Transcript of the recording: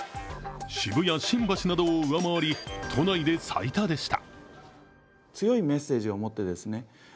渋谷、新橋などを上回り、都内で最多でした。